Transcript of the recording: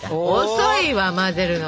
遅いわ混ぜるの！